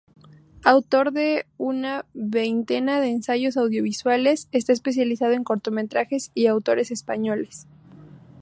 Autor de una veintena de ensayos audiovisuales, está especializado en cortometrajes y autores españoles.